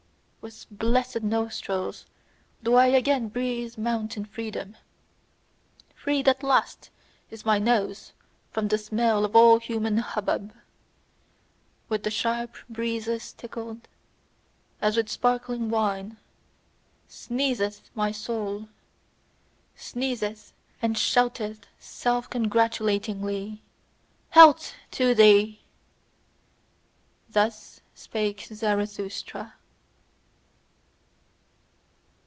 With blessed nostrils do I again breathe mountain freedom. Freed at last is my nose from the smell of all human hubbub! With sharp breezes tickled, as with sparkling wine, SNEEZETH my soul sneezeth, and shouteth self congratulatingly: "Health to thee!" Thus spake Zarathustra.